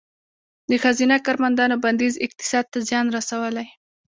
د ښځینه کارمندانو بندیز اقتصاد ته زیان رسولی؟